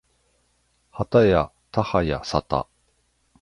はたやたはやさた